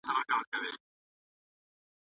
وزارت ویلي وو چې خدمات شته.